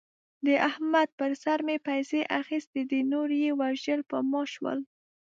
د احمد په سر مې پیسې اخستې دي. نور یې وژل په ما شول.